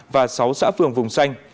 và sáu xã phường vùng xanh